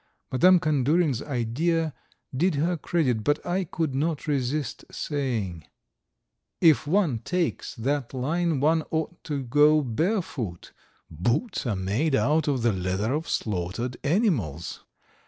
Madame Kandurin's idea did her credit, but I could not resist saying: "If one takes that line one ought to go barefoot. Boots are made out of the leather of slaughtered animals."